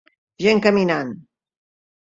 Gent caminant